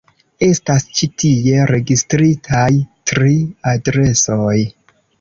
Estas ĉi tie registritaj tri adresoj.